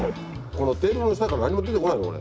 このテーブルの下から何も出てこないのこれ。